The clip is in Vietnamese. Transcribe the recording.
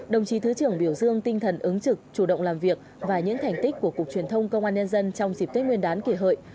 đồng chí thứ trưởng biểu dương tinh thần ứng trực chủ động làm việc và những thành tích của cục truyền thông công an nhân dân trong dịp tết nguyên đán kỷ hợi